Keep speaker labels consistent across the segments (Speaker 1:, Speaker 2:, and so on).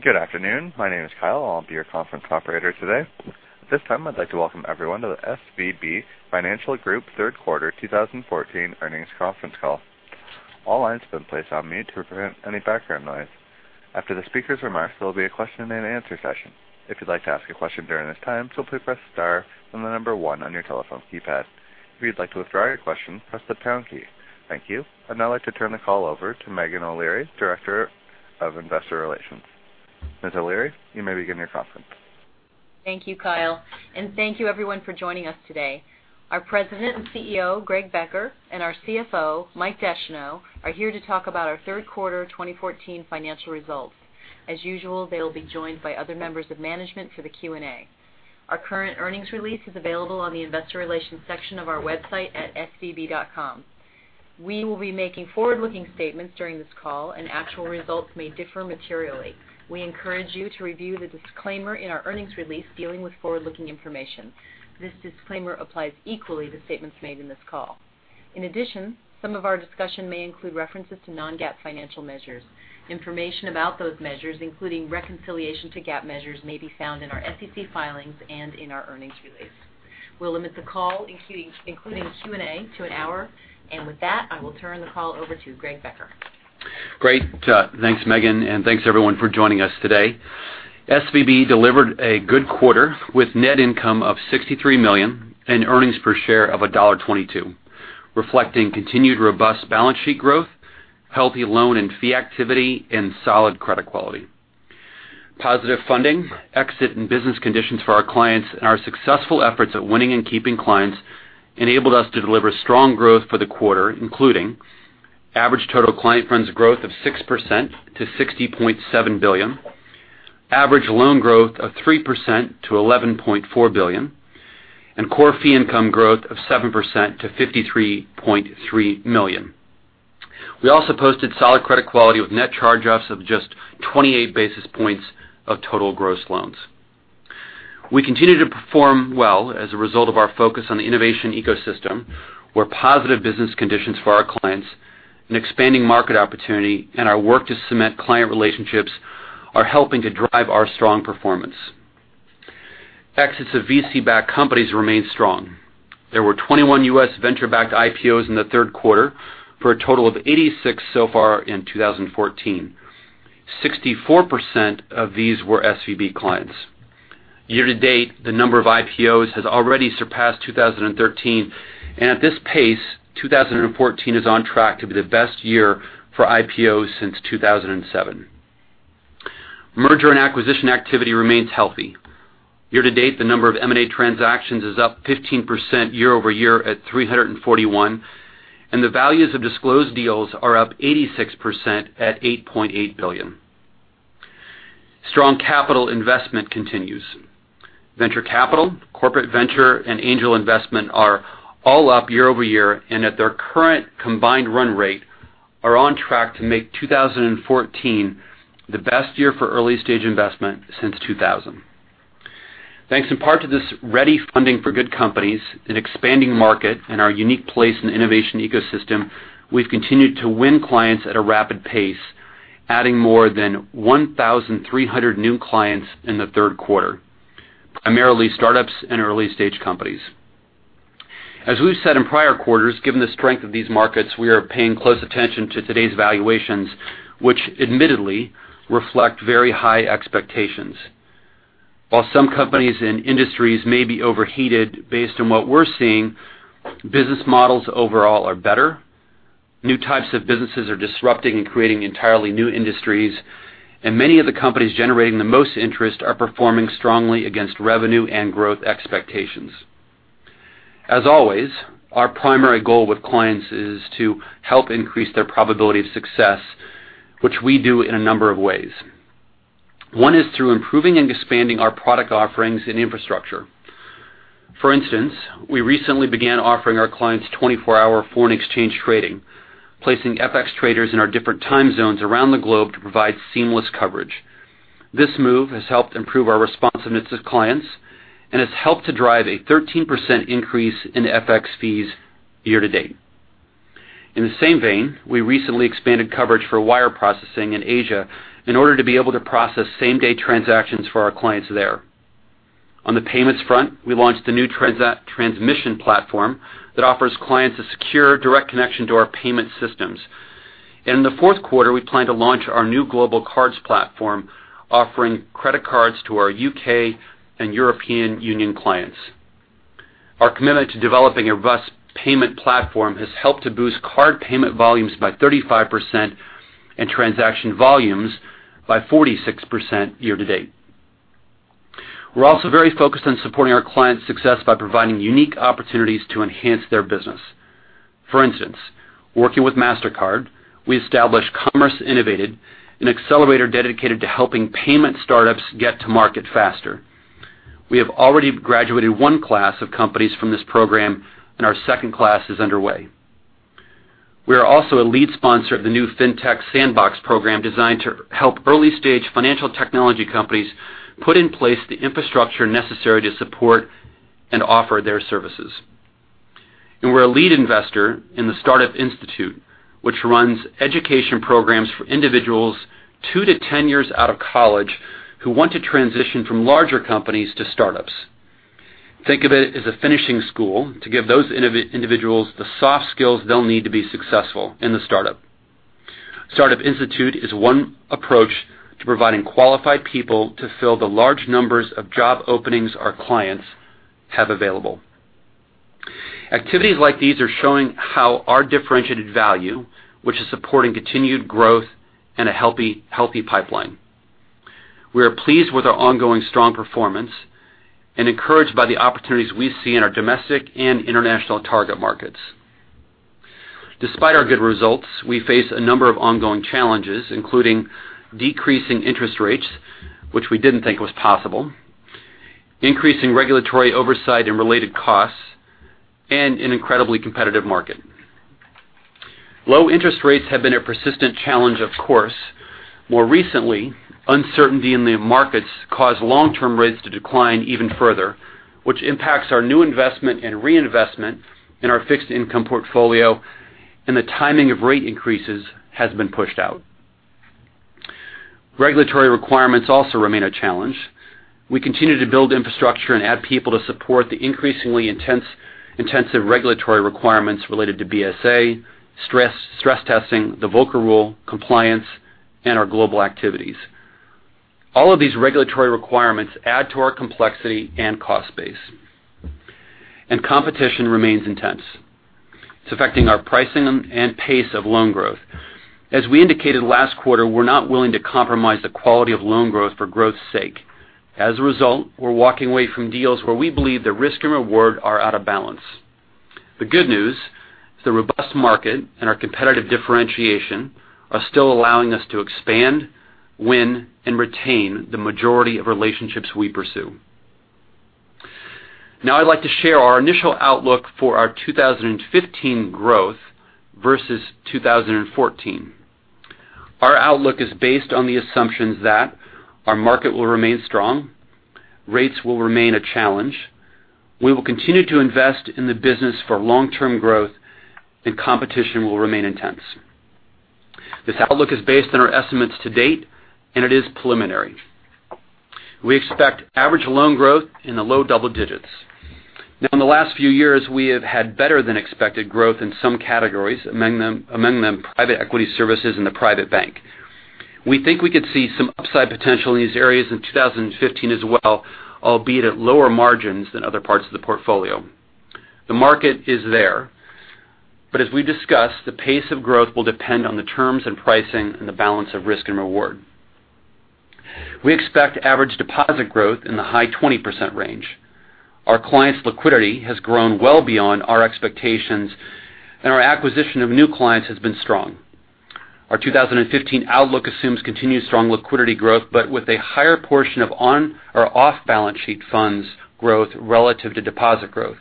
Speaker 1: Good afternoon. My name is Kyle. I'll be your conference operator today. At this time, I'd like to welcome everyone to the SVB Financial Group Third Quarter 2014 earnings conference call. All lines have been placed on mute to prevent any background noise. After the speakers' remarks, there will be a question-and-answer session. If you'd like to ask a question during this time, simply press star and the number one on your telephone keypad. If you'd like to withdraw your question, press the pound key. Thank you. I'd now like to turn the call over to Meghan O'Leary, Director of Investor Relations. Ms. O'Leary, you may begin your conference.
Speaker 2: Thank you, Kyle. Thank you everyone for joining us today. Our President and CEO, Greg Becker, and our CFO, Mike Descheneaux, are here to talk about our third quarter 2014 financial results. As usual, they will be joined by other members of management for the Q&A. Our current earnings release is available on the investor relations section of our website at svb.com. We will be making forward-looking statements during this call, and actual results may differ materially. We encourage you to review the disclaimer in our earnings release dealing with forward-looking information. This disclaimer applies equally to statements made in this call. In addition, some of our discussion may include references to non-GAAP financial measures. Information about those measures, including reconciliation to GAAP measures, may be found in our SEC filings and in our earnings release. We'll limit the call, including Q&A, to an hour. With that, I will turn the call over to Greg Becker.
Speaker 3: Great. Thanks, Meghan. Thanks everyone for joining us today. SVB delivered a good quarter with net income of $63 million and earnings per share of $1.22, reflecting continued robust balance sheet growth, healthy loan and fee activity, and solid credit quality. Positive funding, exit and business conditions for our clients, and our successful efforts at winning and keeping clients enabled us to deliver strong growth for the quarter, including average total client funds growth of 6% to $60.7 billion, average loan growth of 3% to $11.4 billion, and core fee income growth of 7% to $53.3 million. We also posted solid credit quality with net charge-offs of just 28 basis points of total gross loans. We continue to perform well as a result of our focus on the innovation ecosystem, where positive business conditions for our clients, an expanding market opportunity, and our work to cement client relationships are helping to drive our strong performance. Exits of VC-backed companies remain strong. There were 21 U.S. venture-backed IPOs in the third quarter for a total of 86 so far in 2014. 64% of these were SVB clients. Year-to-date, the number of IPOs has already surpassed 2013, and at this pace, 2014 is on track to be the best year for IPOs since 2007. Merger and acquisition activity remains healthy. Year-to-date, the number of M&A transactions is up 15% year-over-year at 341, and the values of disclosed deals are up 86% at $8.8 billion. Strong capital investment continues. Venture capital, corporate venture, and angel investment are all up year-over-year, and at their current combined run rate, are on track to make 2014 the best year for early-stage investment since 2000. Thanks in part to this ready funding for good companies, an expanding market, and our unique place in the innovation ecosystem, we've continued to win clients at a rapid pace, adding more than 1,300 new clients in the third quarter, primarily startups and early-stage companies. As we've said in prior quarters, given the strength of these markets, we are paying close attention to today's valuations, which admittedly reflect very high expectations. While some companies and industries may be overheated based on what we're seeing, business models overall are better. New types of businesses are disrupting and creating entirely new industries, many of the companies generating the most interest are performing strongly against revenue and growth expectations. As always, our primary goal with clients is to help increase their probability of success, which we do in a number of ways. One is through improving and expanding our product offerings and infrastructure. For instance, we recently began offering our clients 24-hour foreign exchange trading, placing FX traders in our different time zones around the globe to provide seamless coverage. This move has helped improve our responsiveness to clients and has helped to drive a 13% increase in FX fees year-to-date. In the same vein, we recently expanded coverage for wire processing in Asia in order to be able to process same-day transactions for our clients there. On the payments front, we launched a new transmission platform that offers clients a secure direct connection to our payment systems. In the fourth quarter, we plan to launch our new global cards platform, offering credit cards to our U.K. and European Union clients. Our commitment to developing a robust payment platform has helped to boost card payment volumes by 35% and transaction volumes by 46% year-to-date. We're also very focused on supporting our clients' success by providing unique opportunities to enhance their business. For instance, working with Mastercard, we established Commerce.Innovated., an accelerator dedicated to helping payment startups get to market faster. We have already graduated 1 class of companies from this program, and our second class is underway. We are also a lead sponsor of the new Fintech Sandbox program designed to help early-stage financial technology companies put in place the infrastructure necessary to support and offer their services. We're a lead investor in the Startup Institute, which runs education programs for individuals two to 10 years out of college who want to transition from larger companies to startups. Think of it as a finishing school to give those individuals the soft skills they'll need to be successful in the startup. Startup Institute is one approach to providing qualified people to fill the large numbers of job openings our clients have available. Activities like these are showing how our differentiated value, which is supporting continued growth and a healthy pipeline. We are pleased with our ongoing strong performance and encouraged by the opportunities we see in our domestic and international target markets. Despite our good results, we face a number of ongoing challenges, including decreasing interest rates, which we didn't think was possible, increasing regulatory oversight and related costs, and an incredibly competitive market. Low interest rates have been a persistent challenge, of course. More recently, uncertainty in the markets caused long-term rates to decline even further, which impacts our new investment and reinvestment in our fixed income portfolio, and the timing of rate increases has been pushed out. Regulatory requirements also remain a challenge. We continue to build infrastructure and add people to support the increasingly intensive regulatory requirements related to BSA, stress testing, the Volcker Rule, compliance, and our global activities. All of these regulatory requirements add to our complexity and cost base. Competition remains intense. It's affecting our pricing and pace of loan growth. As we indicated last quarter, we're not willing to compromise the quality of loan growth for growth's sake. As a result, we're walking away from deals where we believe the risk and reward are out of balance. The good news is the robust market and our competitive differentiation are still allowing us to expand, win, and retain the majority of relationships we pursue. Now I'd like to share our initial outlook for our 2015 growth versus 2014. Our outlook is based on the assumptions that our market will remain strong, rates will remain a challenge, we will continue to invest in the business for long-term growth, and competition will remain intense. This outlook is based on our estimates to date, and it is preliminary. We expect average loan growth in the low double digits. Now, in the last few years, we have had better than expected growth in some categories, among them private equity services and the private bank. We think we could see some upside potential in these areas in 2015 as well, albeit at lower margins than other parts of the portfolio. The market is there. As we discussed, the pace of growth will depend on the terms and pricing and the balance of risk and reward. We expect average deposit growth in the high 20% range. Our clients' liquidity has grown well beyond our expectations, and our acquisition of new clients has been strong. Our 2015 outlook assumes continued strong liquidity growth, but with a higher portion of on or off-balance sheet funds growth relative to deposit growth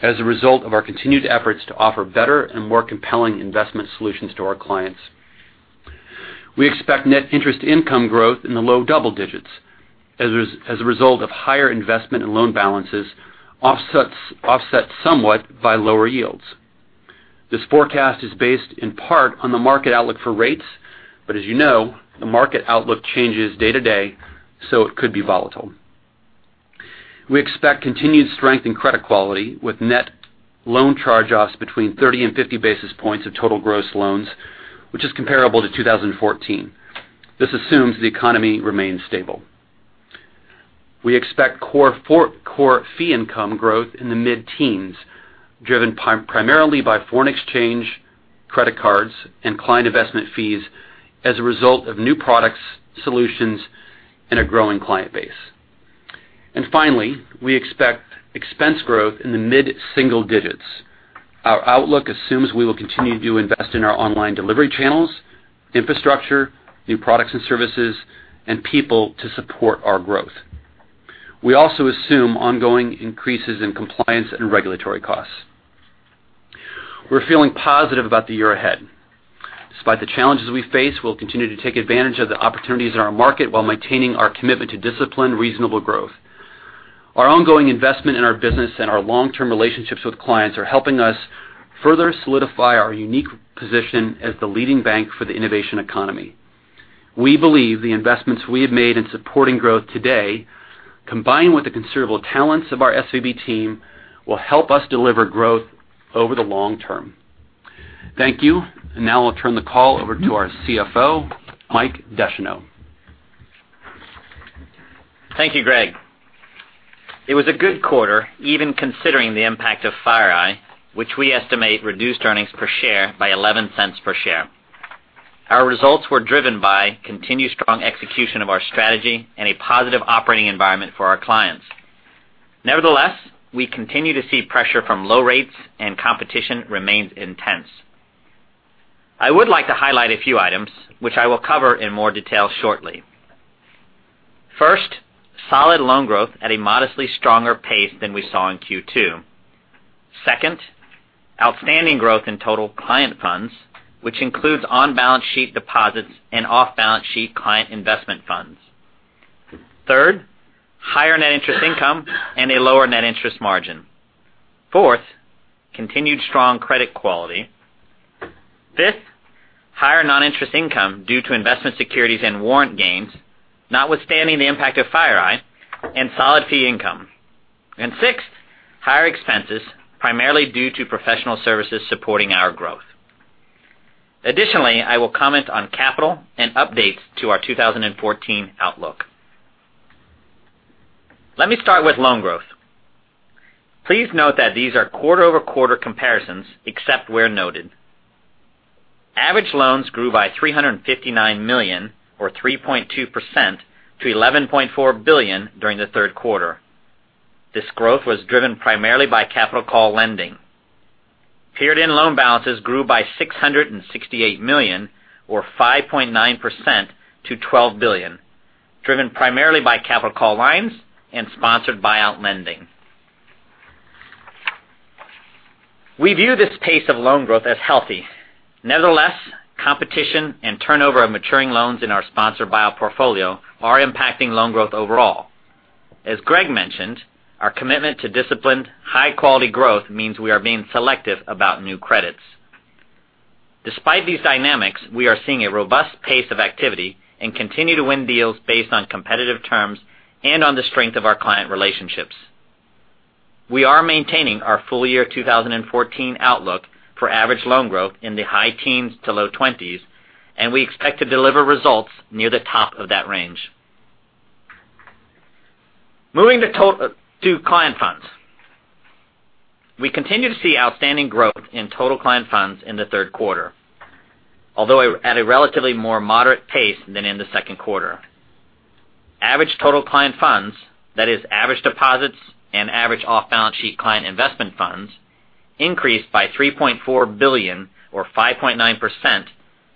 Speaker 3: as a result of our continued efforts to offer better and more compelling investment solutions to our clients. We expect net interest income growth in the low double digits as a result of higher investment and loan balances offset somewhat by lower yields. This forecast is based in part on the market outlook for rates, but as you know, the market outlook changes day to day, so it could be volatile. We expect continued strength in credit quality with net loan charge-offs between 30 and 50 basis points of total gross loans, which is comparable to 2014. This assumes the economy remains stable. We expect core fee income growth in the mid-teens, driven primarily by foreign exchange, credit cards, and client investment fees as a result of new products, solutions, and a growing client base. Finally, we expect expense growth in the mid-single digits. Our outlook assumes we will continue to invest in our online delivery channels, infrastructure, new products and services, and people to support our growth. We also assume ongoing increases in compliance and regulatory costs. We're feeling positive about the year ahead. Despite the challenges we face, we'll continue to take advantage of the opportunities in our market while maintaining our commitment to disciplined, reasonable growth. Our ongoing investment in our business and our long-term relationships with clients are helping us further solidify our unique position as the leading bank for the innovation economy. We believe the investments we have made in supporting growth today, combined with the considerable talents of our SVB team, will help us deliver growth over the long term. Thank you. Now I'll turn the call over to our CFO, Mike Descheneaux.
Speaker 4: Thank you, Greg. It was a good quarter, even considering the impact of FireEye, which we estimate reduced earnings per share by $0.11 per share. Our results were driven by continued strong execution of our strategy and a positive operating environment for our clients. Nevertheless, we continue to see pressure from low rates, and competition remains intense. I would like to highlight a few items, which I will cover in more detail shortly. First, solid loan growth at a modestly stronger pace than we saw in Q2. Second, outstanding growth in total client funds, which includes on-balance sheet deposits and off-balance sheet client investment funds. Third, higher net interest income and a lower net interest margin. Fourth, continued strong credit quality. Fifth, higher non-interest income due to investment securities and warrant gains, notwithstanding the impact of FireEye and solid fee income. Sixth, higher expenses, primarily due to professional services supporting our growth. Additionally, I will comment on capital and updates to our 2014 outlook. Let me start with loan growth. Please note that these are quarter-over-quarter comparisons except where noted. Average loans grew by $359 million or 3.2% to $11.4 billion during the third quarter. This growth was driven primarily by capital call lending. Period end loan balances grew by $668 million or 5.9% to $12 billion, driven primarily by capital call lines and sponsored buyout lending. We view this pace of loan growth as healthy. Nevertheless, competition and turnover of maturing loans in our sponsored buyout portfolio are impacting loan growth overall. As Greg mentioned, our commitment to disciplined, high-quality growth means we are being selective about new credits. Despite these dynamics, we are seeing a robust pace of activity and continue to win deals based on competitive terms and on the strength of our client relationships. We are maintaining our full year 2014 outlook for average loan growth in the high teens to low 20s, and we expect to deliver results near the top of that range. Moving to client funds. We continue to see outstanding growth in total client funds in the third quarter, although at a relatively more moderate pace than in the second quarter. Average total client funds, that is average deposits and average off-balance sheet client investment funds, increased by $3.4 billion or 5.9%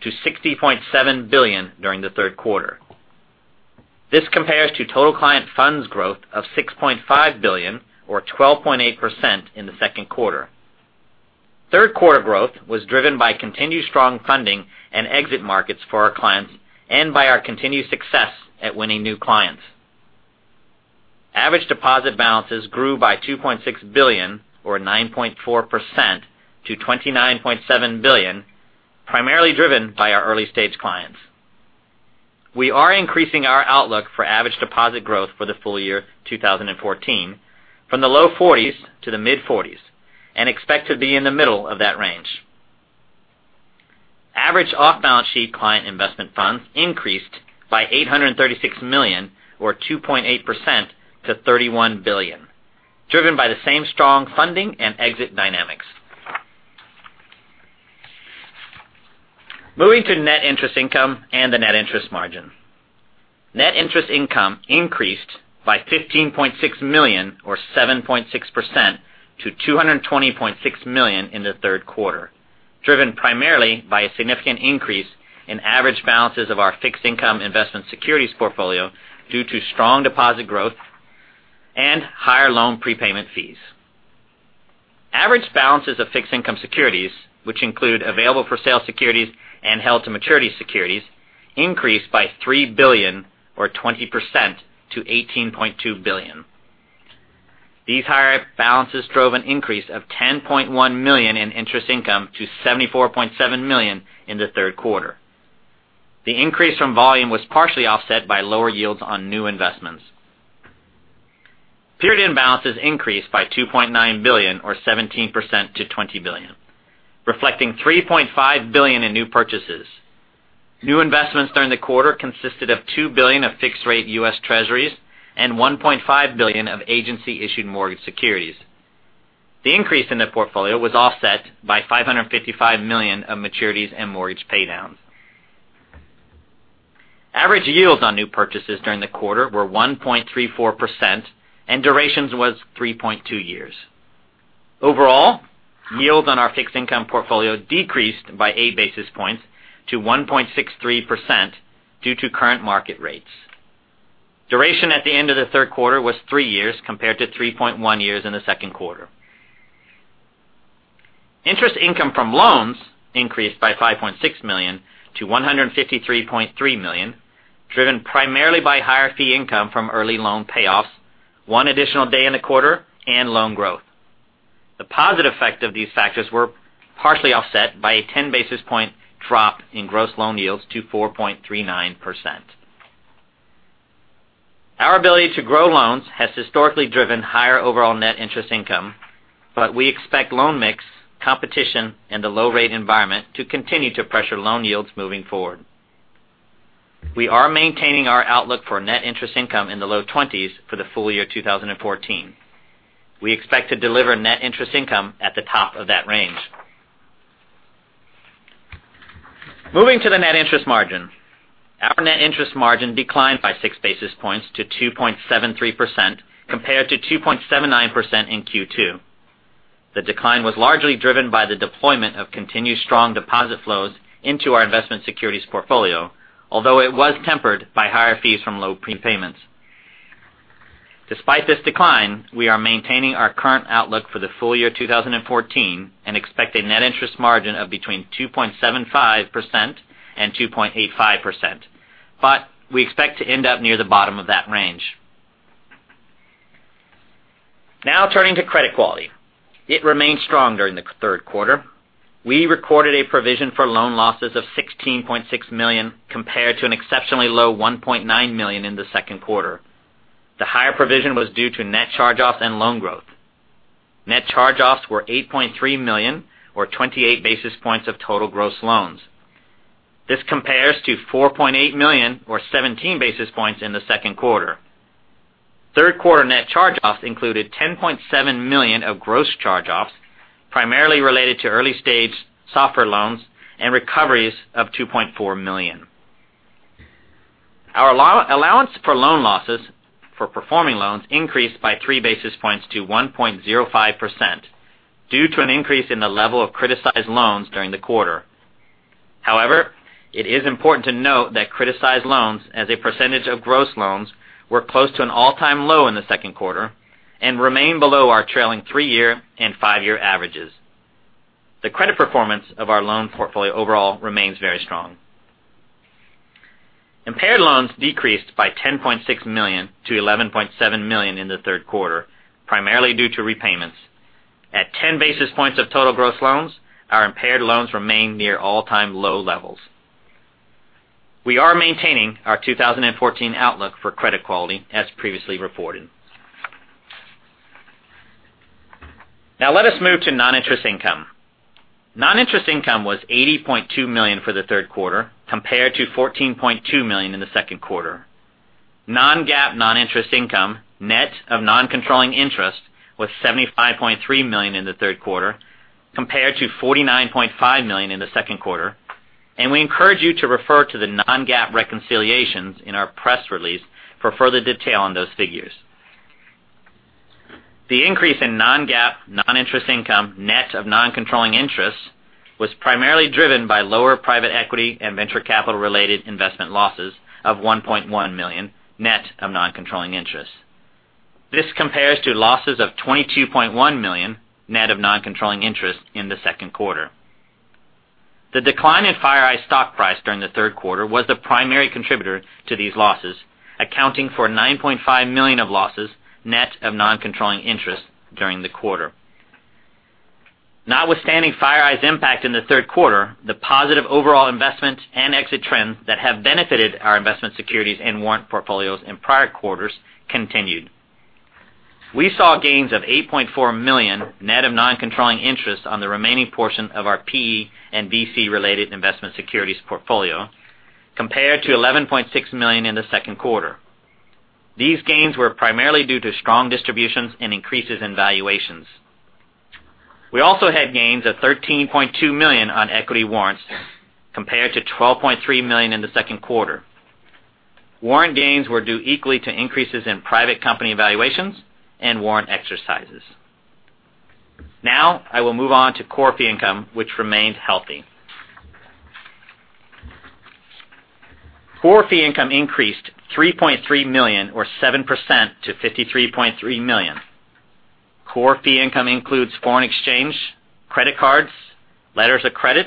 Speaker 4: to $60.7 billion during the third quarter. This compares to total client funds growth of $6.5 billion or 12.8% in the second quarter. Third quarter growth was driven by continued strong funding and exit markets for our clients and by our continued success at winning new clients. Average deposit balances grew by $2.6 billion or 9.4% to $29.7 billion, primarily driven by our early-stage clients. We are increasing our outlook for average deposit growth for the full year 2014 from the low 40s to the mid-40s and expect to be in the middle of that range. Average off-balance sheet client investment funds increased by $836 million or 2.8% to $31 billion, driven by the same strong funding and exit dynamics. Moving to net interest income and the net interest margin. Net interest income increased by $15.6 million or 7.6% to $220.6 million in the third quarter, driven primarily by a significant increase in average balances of our fixed income investment securities portfolio due to strong deposit growth and higher loan prepayment fees. Average balances of fixed-income securities, which include available-for-sale securities and held-to-maturity securities, increased by $3 billion or 20% to $18.2 billion. These higher balances drove an increase of $10.1 million in interest income to $74.7 million in the third quarter. The increase from volume was partially offset by lower yields on new investments. Period end balances increased by $2.9 billion or 17% to $20 billion, reflecting $3.5 billion in new purchases. New investments during the quarter consisted of $2 billion of fixed-rate US Treasuries and $1.5 billion of agency-issued mortgage securities. The increase in the portfolio was offset by $555 million of maturities and mortgage paydowns. Average yields on new purchases during the quarter were 1.34%, and durations was 3.2 years. Overall, yields on our fixed income portfolio decreased by eight basis points to 1.63% due to current market rates. Duration at the end of the third quarter was three years compared to 3.1 years in the second quarter. Interest income from loans increased by $5.6 million to $153.3 million, driven primarily by higher fee income from early loan payoffs, one additional day in the quarter, and loan growth. The positive effect of these factors were partially offset by a 10-basis-point drop in gross loan yields to 4.39%. We expect loan mix, competition, and the low rate environment to continue to pressure loan yields moving forward. We are maintaining our outlook for net interest income in the low 20s for the full year 2014. We expect to deliver net interest income at the top of that range. Moving to the net interest margin. Our net interest margin declined by six basis points to 2.73% compared to 2.79% in Q2. The decline was largely driven by the deployment of continued strong deposit flows into our investment securities portfolio. Although it was tempered by higher fees from low prepayments. Despite this decline, we are maintaining our current outlook for the full year 2014 and expect a net interest margin of between 2.75% and 2.85%, but we expect to end up near the bottom of that range. Now turning to credit quality. It remained strong during the third quarter. We recorded a provision for loan losses of $16.6 million compared to an exceptionally low $1.9 million in the second quarter. The higher provision was due to net charge-offs and loan growth. Net charge-offs were $8.3 million or 28 basis points of total gross loans. This compares to $4.8 million or 17 basis points in the second quarter. Third quarter net charge-offs included $10.7 million of gross charge-offs, primarily related to early-stage software loans and recoveries of $2.4 million. Our allowance for loan losses for performing loans increased by three basis points to 1.05% due to an increase in the level of criticized loans during the quarter. However, it is important to note that criticized loans as a percentage of gross loans were close to an all-time low in the second quarter and remain below our trailing three-year and five-year averages. The credit performance of our loan portfolio overall remains very strong. Impaired loans decreased by $10.6 million to $11.7 million in the third quarter, primarily due to repayments. At 10 basis points of total gross loans, our impaired loans remain near all-time low levels. We are maintaining our 2014 outlook for credit quality as previously reported. Now let us move to non-interest income. Non-interest income was $80.2 million for the third quarter, compared to $14.2 million in the second quarter. Non-GAAP non-interest income, net of non-controlling interest, was $75.3 million in the third quarter, compared to $49.5 million in the second quarter, and we encourage you to refer to the non-GAAP reconciliations in our press release for further detail on those figures. The increase in non-GAAP non-interest income, net of non-controlling interest, was primarily driven by lower private equity and venture capital-related investment losses of $1.1 million net of non-controlling interest. This compares to losses of $22.1 million net of non-controlling interest in the second quarter. The decline in FireEye's stock price during the third quarter was the primary contributor to these losses, accounting for $9.5 million of losses net of non-controlling interest during the quarter. Notwithstanding FireEye's impact in the third quarter, the positive overall investment and exit trends that have benefited our investment securities and warrant portfolios in prior quarters continued. We saw gains of $8.4 million net of non-controlling interest on the remaining portion of our PE and VC-related investment securities portfolio, compared to $11.6 million in the second quarter. These gains were primarily due to strong distributions and increases in valuations. We also had gains of $13.2 million on equity warrants compared to $12.3 million in the second quarter. Warrant gains were due equally to increases in private company valuations and warrant exercises. Now I will move on to core fee income, which remained healthy. Core fee income increased $3.3 million or 7% to $53.3 million. Core fee income includes foreign exchange, credit cards, letters of credit,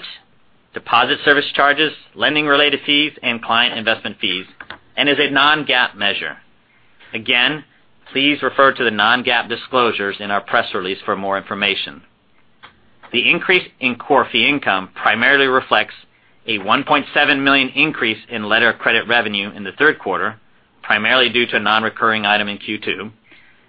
Speaker 4: deposit service charges, lending related fees, and client investment fees, and is a non-GAAP measure. Again, please refer to the non-GAAP disclosures in our press release for more information. The increase in core fee income primarily reflects a $1.7 million increase in letter of credit revenue in the third quarter, primarily due to a non-recurring item in Q2,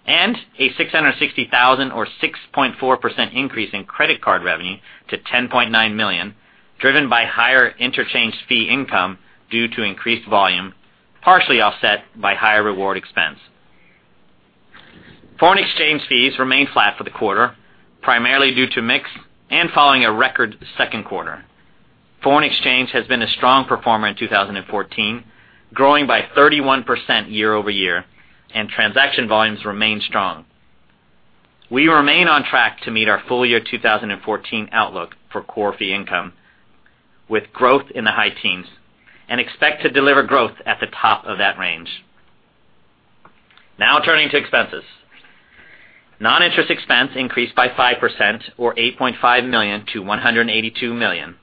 Speaker 4: and a $660,000 or 6.4% increase in credit card revenue to $10.9 million, driven by higher interchange fee income due to increased volume, partially offset by higher reward expense. Foreign exchange fees remained flat for the quarter, primarily due to mix and following a record second quarter. Foreign exchange has been a strong performer in 2014, growing by 31% year-over-year, and transaction volumes remain strong. We remain on track to meet our full year 2014 outlook for core fee income, with growth in the high teens, and expect to deliver growth at the top of that range. Turning to expenses. Non-interest expense increased by 5% or $8.5 million to $182 million.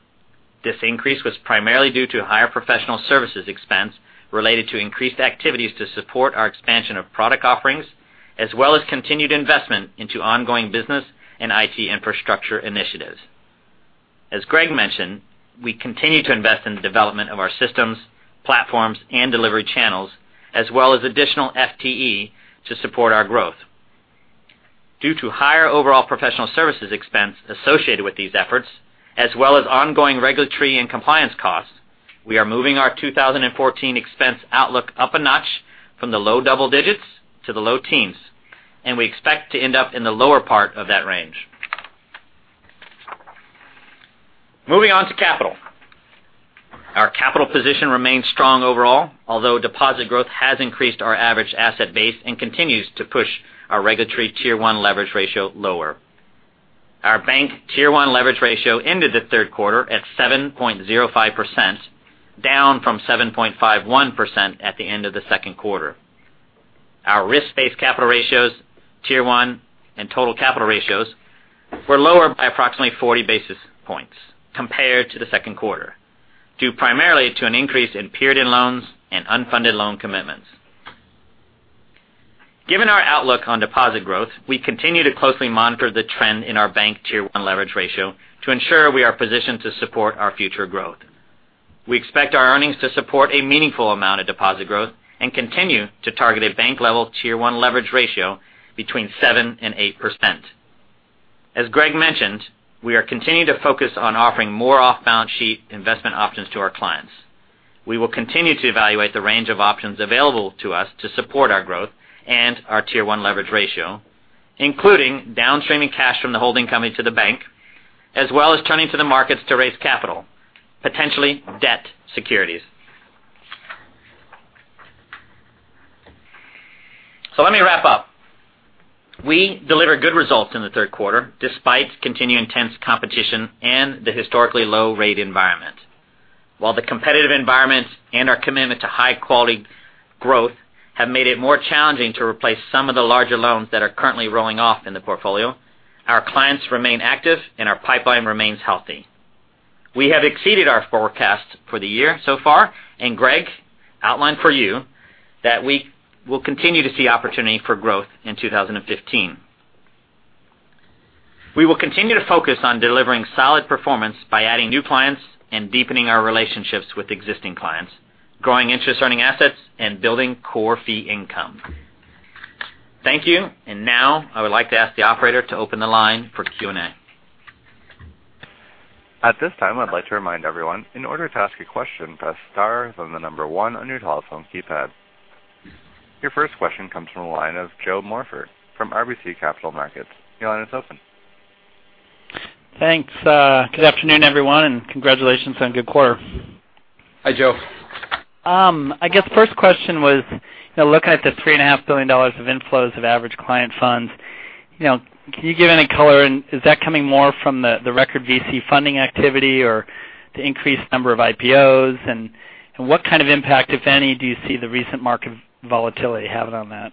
Speaker 4: This increase was primarily due to higher professional services expense related to increased activities to support our expansion of product offerings, as well as continued investment into ongoing business and IT infrastructure initiatives. As Greg mentioned, we continue to invest in the development of our systems, platforms, and delivery channels, as well as additional FTE to support our growth. Due to higher overall professional services expense associated with these efforts, as well as ongoing regulatory and compliance costs, we are moving our 2014 expense outlook up a notch from the low double digits to the low teens, and we expect to end up in the lower part of that range. Moving on to capital. Our capital position remains strong overall, although deposit growth has increased our average asset base and continues to push our regulatory Tier 1 leverage ratio lower. Our bank Tier 1 leverage ratio ended the third quarter at 7.05%, down from 7.51% at the end of the second quarter. Our risk-based capital ratios, Tier 1, and total capital ratios were lower by approximately 40 basis points compared to the second quarter, due primarily to an increase in period end loans and unfunded loan commitments. Given our outlook on deposit growth, we continue to closely monitor the trend in our bank Tier 1 leverage ratio to ensure we are positioned to support our future growth. We expect our earnings to support a meaningful amount of deposit growth and continue to target a bank-level Tier 1 leverage ratio between 7% and 8%. As Greg mentioned, we are continuing to focus on offering more off-balance sheet investment options to our clients. We will continue to evaluate the range of options available to us to support our growth and our Tier 1 leverage ratio, including downstreaming cash from the holding company to the bank, as well as turning to the markets to raise capital, potentially debt securities. Let me wrap up. We delivered good results in the third quarter despite continued intense competition and the historically low rate environment. While the competitive environment and our commitment to high-quality growth have made it more challenging to replace some of the larger loans that are currently rolling off in the portfolio, our clients remain active, and our pipeline remains healthy. We have exceeded our forecasts for the year so far, Greg outlined for you that we will continue to see opportunity for growth in 2015. We will continue to focus on delivering solid performance by adding new clients and deepening our relationships with existing clients, growing interest-earning assets, and building core fee income. Thank you. Now, I would like to ask the operator to open the line for Q&A.
Speaker 1: At this time, I'd like to remind everyone, in order to ask a question, press star, then the number 1 on your telephone keypad. Your first question comes from the line of Joe Morford from RBC Capital Markets. Your line is open.
Speaker 5: Thanks. Good afternoon, everyone, and congratulations on a good quarter.
Speaker 4: Hi, Joe.
Speaker 5: I guess the first question was, looking at the $3.5 billion of inflows of average client funds, can you give any color? Is that coming more from the record VC funding activity or the increased number of IPOs? What kind of impact, if any, do you see the recent market volatility having on that?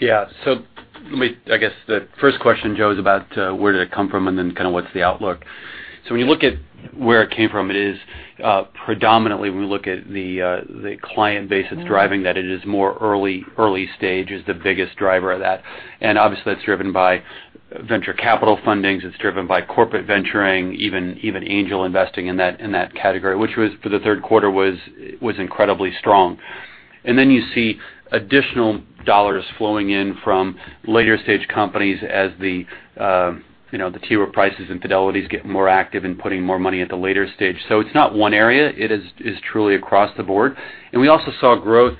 Speaker 4: Yeah. I guess the first question, Joe, is about where did it come from and then kind of what's the outlook. When you look at where it came from, it is predominantly when we look at the client base that's driving that. It is more early stage is the biggest driver of that. Obviously, that's driven by venture capital fundings. It's driven by corporate venturing, even angel investing in that category, which for the third quarter was incredibly strong. You see additional dollars flowing in from later-stage companies as the T. Rowe Price and Fidelity get more active in putting more money at the later stage. It's not one area. It is truly across the board. We also saw growth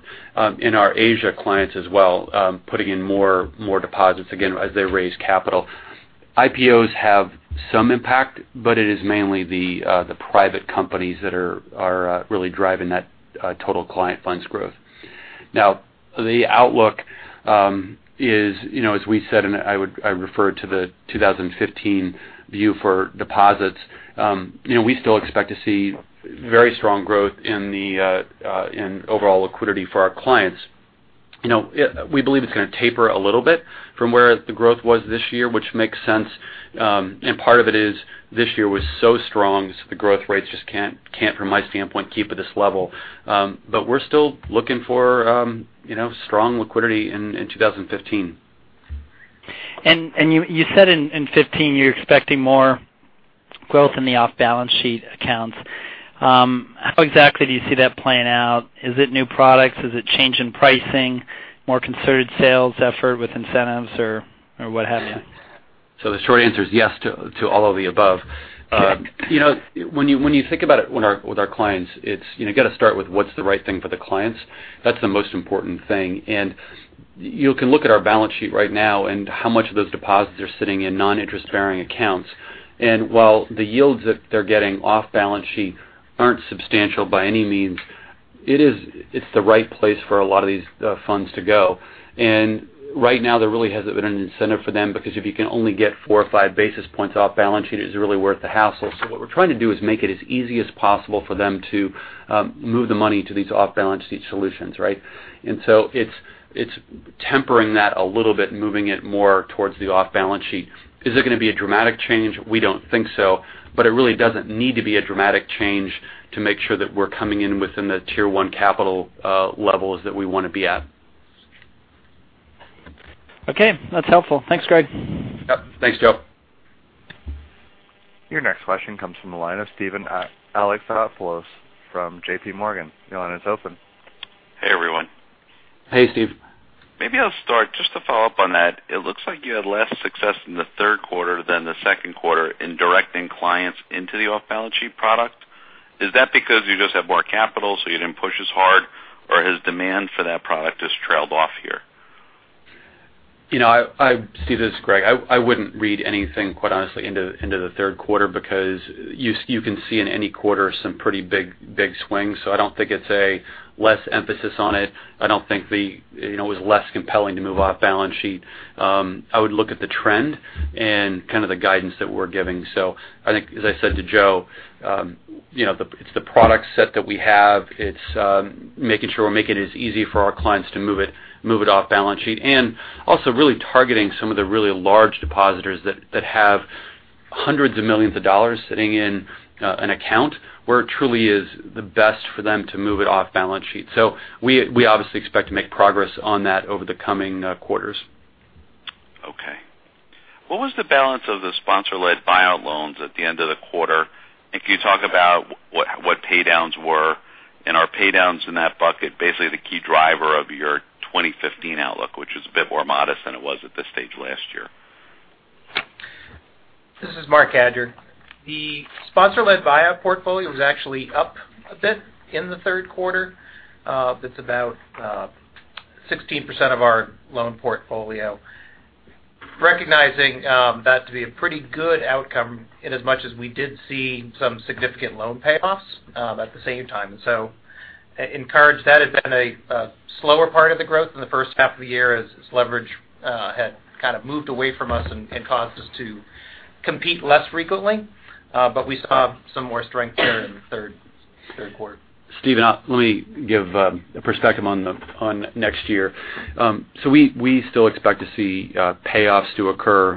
Speaker 4: in our Asia clients as well, putting in more deposits again as they raise capital. IPOs have some impact, but it is mainly the private companies that are really driving that total client funds growth. Now, the outlook is, as we said, and I refer to the 2015 view for deposits. We still expect to see very strong growth in overall liquidity for our clients. We believe it's going to taper a little bit from where the growth was this year, which makes sense. Part of it is this year was so strong, so the growth rates just can't, from my standpoint, keep at this level. We're still looking for strong liquidity in 2015.
Speaker 5: You said in 2015 you're expecting more growth in the off-balance sheet accounts. How exactly do you see that playing out? Is it new products? Is it change in pricing, more concerted sales effort with incentives, or what have you?
Speaker 4: The short answer is yes to all of the above. You got to start with what's the right thing for the clients. That's the most important thing. You can look at our balance sheet right now and how much of those deposits are sitting in non-interest-bearing accounts. While the yields that they're getting off balance sheet aren't substantial by any means, it's the right place for a lot of these funds to go. Right now, there really hasn't been an incentive for them because if you can only get four or five basis points off balance sheet, is it really worth the hassle? What we're trying to do is make it as easy as possible for them to move the money to these off-balance sheet solutions. Right? It's tempering that a little bit, moving it more towards the off-balance sheet. Is it going to be a dramatic change? We don't think so, but it really doesn't need to be a dramatic change to make sure that we're coming in within the Tier 1 capital levels that we want to be at.
Speaker 5: That's helpful. Thanks, Greg.
Speaker 4: Yep. Thanks, Joe.
Speaker 1: Your next question comes from the line of Steven Alexopoulos from JPMorgan. Your line is open.
Speaker 6: Hey, everyone.
Speaker 4: Hey, Steve.
Speaker 6: Maybe I'll start just to follow up on that. It looks like you had less success in the third quarter than the second quarter in directing clients into the off-balance sheet product. Is that because you just have more capital, so you didn't push as hard, or has demand for that product just trailed off?
Speaker 3: Steve, this is Greg. I wouldn't read anything, quite honestly, into the third quarter because you can see in any quarter some pretty big swings. I don't think it's a less emphasis on it. I don't think it was less compelling to move off-balance sheet. I would look at the trend and kind of the guidance that we're giving. I think, as I said to Joe, it's the product set that we have. It's making sure we're making it as easy for our clients to move it off-balance sheet, and also really targeting some of the really large depositors that have hundreds of millions of dollars sitting in an account where it truly is the best for them to move it off-balance sheet. We obviously expect to make progress on that over the coming quarters.
Speaker 6: Okay. What was the balance of the sponsor-led buyout loans at the end of the quarter? Can you talk about what paydowns were and are paydowns in that bucket, basically the key driver of your 2015 outlook, which is a bit more modest than it was at this stage last year?
Speaker 7: This is Marc Cadieux. The sponsor-led buyout portfolio was actually up a bit in the third quarter. That's about 16% of our loan portfolio. Recognizing that to be a pretty good outcome in as much as we did see some significant loan payoffs at the same time. Encouraged that had been a slower part of the growth in the first half of the year as leverage had kind of moved away from us and caused us to compete less frequently. We saw some more strength there in the third quarter.
Speaker 3: Steve, let me give a perspective on next year. We still expect to see payoffs to occur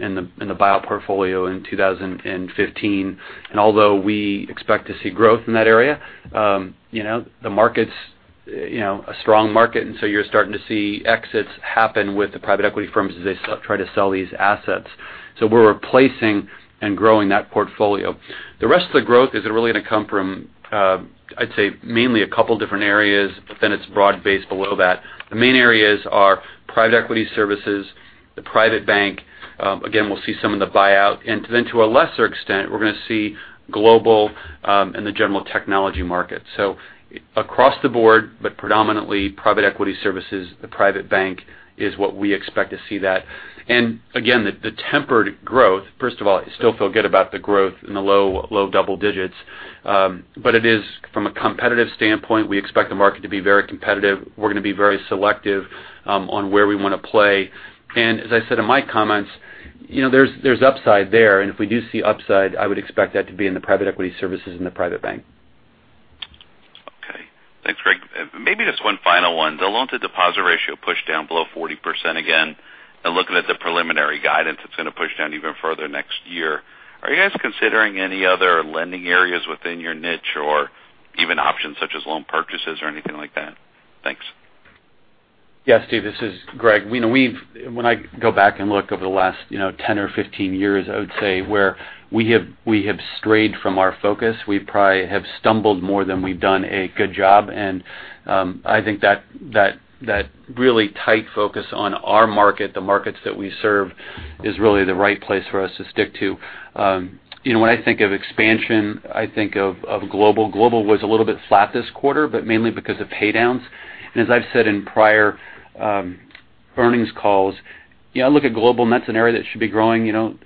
Speaker 3: in the buyout portfolio in 2015. Although we expect to see growth in that area, the market's a strong market, and so you're starting to see exits happen with the private equity firms as they try to sell these assets. We're replacing and growing that portfolio. The rest of the growth is really going to come from, I'd say, mainly a couple different areas, but then it's broad-based below that. The main areas are private equity services, the private bank. Again, we'll see some in the buyout. To a lesser extent, we're going to see global and the general technology market. Across the board, but predominantly private equity services, the private bank is what we expect to see that. Again, the tempered growth, first of all, I still feel good about the growth in the low double digits. From a competitive standpoint, we expect the market to be very competitive. We're going to be very selective on where we want to play. As I said in my comments, there's upside there. If we do see upside, I would expect that to be in the private equity services and the private bank.
Speaker 6: Okay. Thanks, Greg. Maybe just one final one. The loan to deposit ratio pushed down below 40% again. Looking at the preliminary guidance, it's going to push down even further next year. Are you guys considering any other lending areas within your niche or even options such as loan purchases or anything like that? Thanks.
Speaker 3: Yeah, Steve, this is Greg. When I go back and look over the last 10 or 15 years, I would say where we have strayed from our focus, we probably have stumbled more than we've done a good job. I think that really tight focus on our market, the markets that we serve, is really the right place for us to stick to. When I think of expansion, I think of global. Global was a little bit flat this quarter, but mainly because of paydowns. As I've said in prior earnings calls, I look at global and that's an area that should be growing 30%,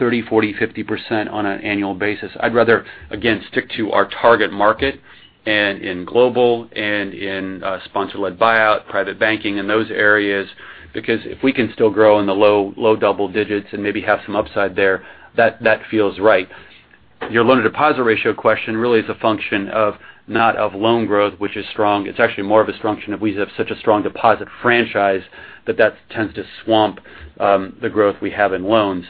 Speaker 3: 40%, 50% on an annual basis. I'd rather, again, stick to our target market and in global and in sponsor-led buyout, private banking, and those areas. If we can still grow in the low double digits and maybe have some upside there, that feels right. Your loan to deposit ratio question really is a function of not of loan growth, which is strong. It's actually more of a function of we have such a strong deposit franchise that tends to swamp the growth we have in loans.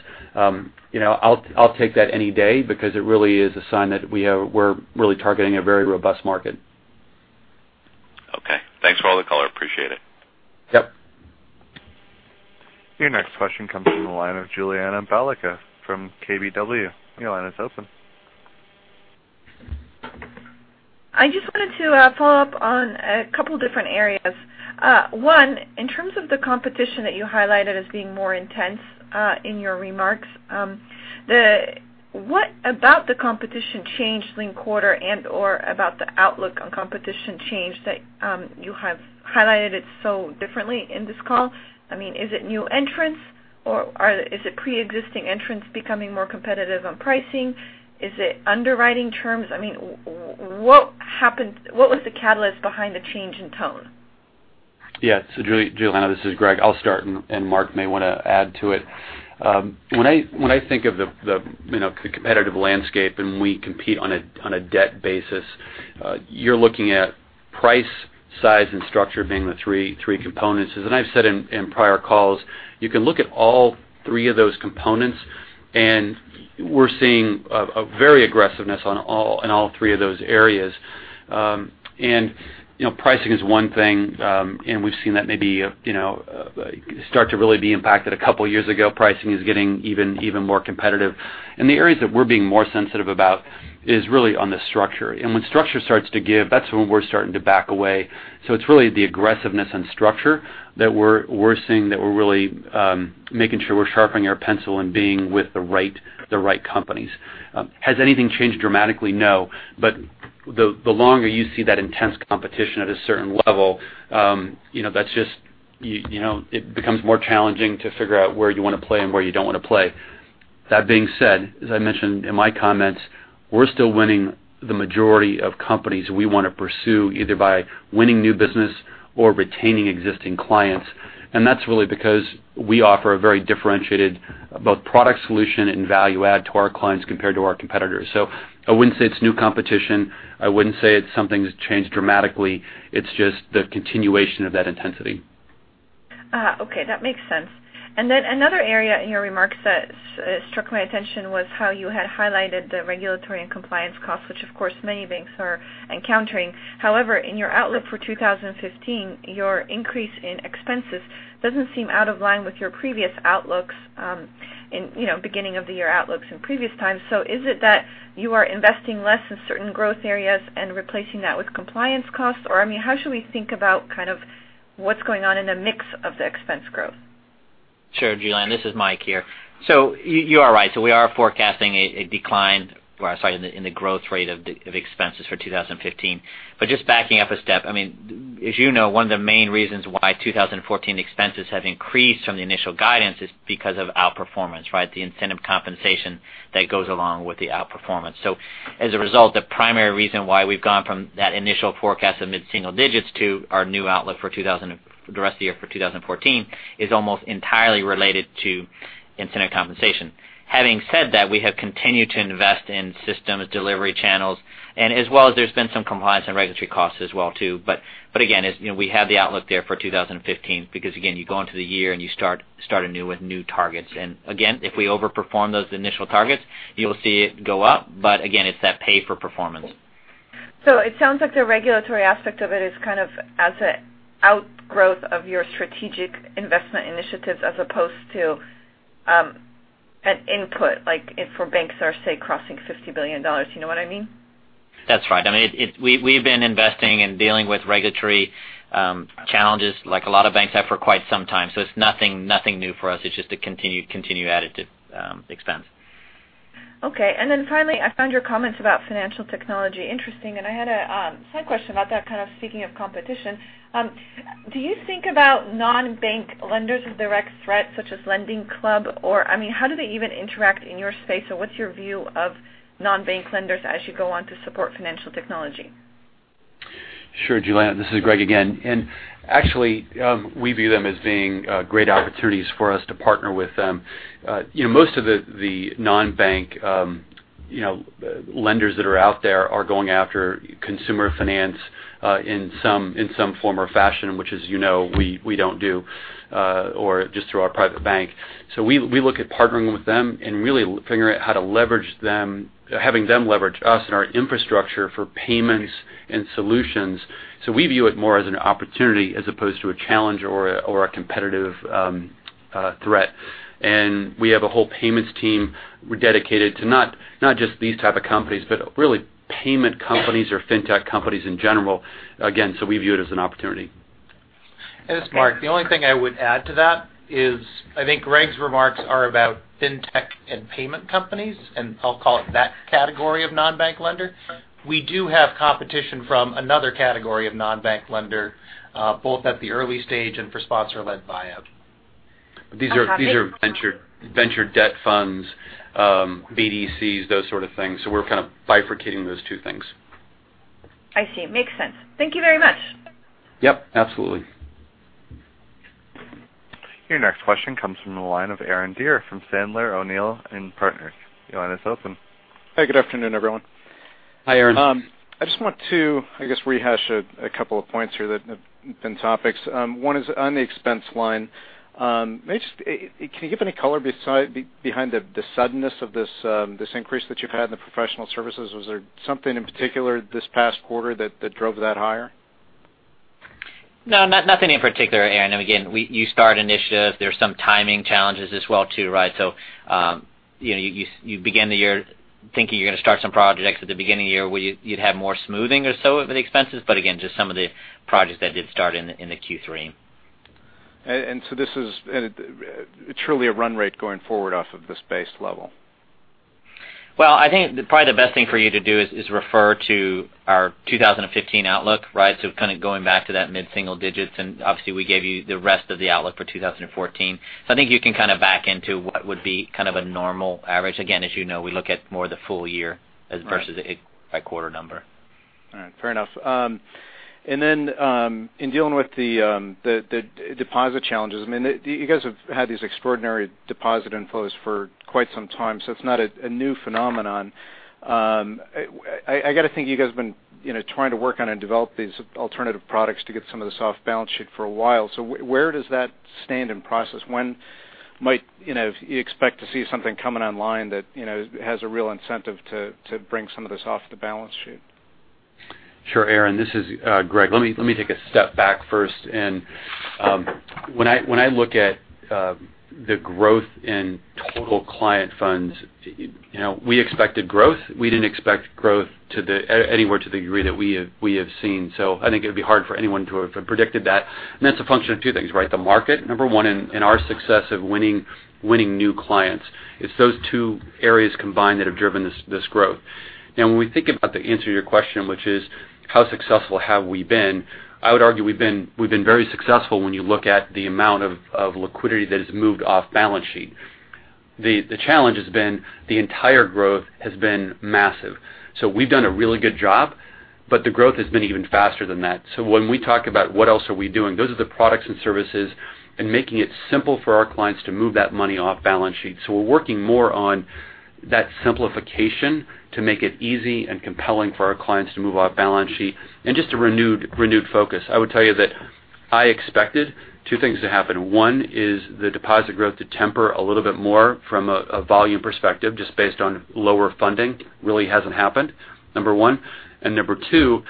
Speaker 3: I'll take that any day because it really is a sign that we're really targeting a very robust market.
Speaker 6: Okay. Thanks for all the color. Appreciate it.
Speaker 3: Yep.
Speaker 1: Your next question comes from the line of Julianna Balicka from KBW. Your line is open.
Speaker 8: I just wanted to follow up on a couple different areas. One, in terms of the competition that you highlighted as being more intense in your remarks, what about the competition changed linked quarter and/or about the outlook on competition change that you have highlighted so differently in this call? Is it new entrants, or is it preexisting entrants becoming more competitive on pricing? Is it underwriting terms? What was the catalyst behind the change in tone?
Speaker 3: Julianna, this is Greg. I'll start, and Marc may want to add to it. When I think of the competitive landscape, and we compete on a debt basis, you're looking at price, size, and structure being the three components. As I've said in prior calls, you can look at all three of those components, and we're seeing a very aggressiveness in all three of those areas. Pricing is one thing. We've seen that maybe start to really be impacted a couple of years ago. Pricing is getting even more competitive. The areas that we're being more sensitive about is really on the structure. When structure starts to give, that's when we're starting to back away. It's really the aggressiveness and structure that we're seeing that we're really making sure we're sharpening our pencil and being with the right companies. Has anything changed dramatically? No. The longer you see that intense competition at a certain level, it becomes more challenging to figure out where you want to play and where you don't want to play. That being said, as I mentioned in my comments, we're still winning the majority of companies we want to pursue, either by winning new business or retaining existing clients. That's really because we offer a very differentiated both product solution and value add to our clients compared to our competitors. I wouldn't say it's new competition. I wouldn't say it's something that's changed dramatically. It's just the continuation of that intensity.
Speaker 8: Okay. That makes sense. Another area in your remarks that struck my attention was how you had highlighted the regulatory and compliance costs, which of course, many banks are encountering. However, in your outlook for 2015, your increase in expenses doesn't seem out of line with your previous outlooks, beginning of the year outlooks in previous times. Is it that you are investing less in certain growth areas and replacing that with compliance costs? How should we think about what's going on in the mix of the expense growth?
Speaker 4: Sure, Julianna. This is Mike here. You are right. We are forecasting a decline, or sorry, in the growth rate of expenses for 2015. Just backing up a step, as you know, one of the main reasons why 2014 expenses have increased from the initial guidance is because of outperformance. The incentive compensation that goes along with the outperformance. As a result, the primary reason why we've gone from that initial forecast of mid-single digits to our new outlook for the rest of the year for 2014 is almost entirely related to incentive compensation. Having said that, we have continued to invest in systems, delivery channels, and as well as there's been some compliance and regulatory costs as well too. Again, we have the outlook there for 2015 because again, you go into the year and you start anew with new targets. Again, if we overperform those initial targets, you will see it go up. Again, it's that pay for performance.
Speaker 8: It sounds like the regulatory aspect of it is kind of as an outgrowth of your strategic investment initiatives as opposed to an input, like for banks that are, say, crossing $50 billion. Do you know what I mean?
Speaker 4: That's right. We've been investing and dealing with regulatory challenges like a lot of banks have for quite some time. It's nothing new for us, it's just a continued additive expense.
Speaker 8: Okay. Finally, I found your comments about financial technology interesting, and I had a side question about that kind of speaking of competition. Do you think about non-bank lenders as a direct threat, such as LendingClub? Or how do they even interact in your space, or what's your view of non-bank lenders as you go on to support financial technology?
Speaker 3: Sure, Julianne. This is Greg again. Actually, we view them as being great opportunities for us to partner with them. Most of the non-bank lenders that are out there are going after consumer finance in some form or fashion, which as you know, we don't do, or just through our private bank. We look at partnering with them and really figuring out how to leverage them, having them leverage us and our infrastructure for payments and solutions. We view it more as an opportunity as opposed to a challenge or a competitive threat. We have a whole payments team dedicated to not just these type of companies, but really payment companies or fintech companies in general. Again, we view it as an opportunity.
Speaker 7: This is Marc. The only thing I would add to that is I think Greg's remarks are about fintech and payment companies, and I'll call it that category of non-bank lender. We do have competition from another category of non-bank lender, both at the early stage and for sponsor-led buyout.
Speaker 8: Okay.
Speaker 3: These are venture debt funds, BDCs, those sort of things. We're kind of bifurcating those two things.
Speaker 8: I see. Makes sense. Thank you very much.
Speaker 3: Yep, absolutely.
Speaker 1: Your next question comes from the line of Aaron Deer from Sandler O'Neill + Partners. Your line is open.
Speaker 9: Hi, good afternoon, everyone.
Speaker 3: Hi, Aaron.
Speaker 9: I just want to, I guess, rehash a couple of points here that have been topics. One is on the expense line. Can you give any color behind the suddenness of this increase that you've had in the professional services? Was there something in particular this past quarter that drove that higher?
Speaker 4: No, nothing in particular, Aaron. Again, you start initiatives, there's some timing challenges as well too. You begin the year thinking you're going to start some projects at the beginning of the year where you'd have more smoothing or so of the expenses. Again, just some of the projects that did start in the Q3.
Speaker 9: This is truly a run rate going forward off of this base level.
Speaker 4: Well, I think probably the best thing for you to do is refer to our 2015 outlook. Kind of going back to that mid-single digits, and obviously, we gave you the rest of the outlook for 2014. I think you can kind of back into what would be kind of a normal average. Again, as you know, we look at more the full year versus a by-quarter number.
Speaker 9: All right. Fair enough. Then, in dealing with the deposit challenges, you guys have had these extraordinary deposit inflows for quite some time, so it's not a new phenomenon. I got to think you guys have been trying to work on and develop these alternative products to get some of the soft balance sheet for a while. Where does that stand in process? When might you expect to see something coming online that has a real incentive to bring some of this off the balance sheet?
Speaker 3: Sure, Aaron. This is Greg. Let me take a step back first. When I look at the growth in total client funds, we expected growth. We didn't expect growth anywhere to the degree that we have seen. I think it would be hard for anyone to have predicted that. That's a function of two things. The market, number 1, and our success of winning new clients. It's those two areas combined that have driven this growth. When we think about the answer to your question, which is How successful have we been? I would argue we've been very successful when you look at the amount of liquidity that has moved off balance sheet. The challenge has been the entire growth has been massive. We've done a really good job, but the growth has been even faster than that. When we talk about what else are we doing, those are the products and services and making it simple for our clients to move that money off balance sheet. We're working more on that simplification to make it easy and compelling for our clients to move off balance sheet, and just a renewed focus. I would tell you that I expected two things to happen. One is the deposit growth to temper a little bit more from a volume perspective, just based on lower funding. Really hasn't happened, number 1. Number 2,